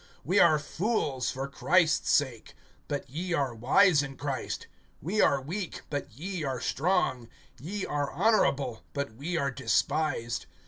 (10)We are fools for Christ's sake, but ye are wise in Christ; we are weak, but ye are strong; ye are honorable, but we are despised.